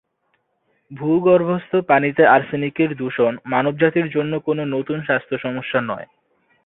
ভূগর্ভস্থ পানিতে আর্সেনিকের দূষণ মানবজাতির জন্য কোনো নতুন স্বাস্থ্য সমস্যা নয়।